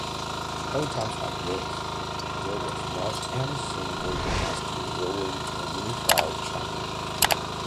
At times like these, there was not any single dynasty ruling a unified China.